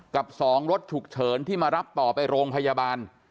กับ๒รถฉุกเฉินที่มารับต่อไปโรงพยาบาล